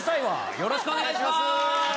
よろしくお願いします！